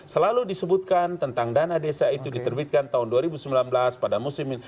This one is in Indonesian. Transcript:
selalu disebutkan tentang dana desa itu diterbitkan tahun dua ribu sembilan belas pada musim ini